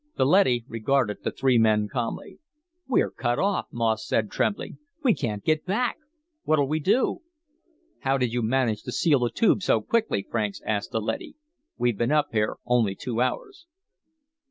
The leady regarded the three men calmly. "We're cut off," Moss said, trembling. "We can't get back. What'll we do?" "How did you manage to seal the Tube so quickly?" Franks asked the leady. "We've been up here only two hours."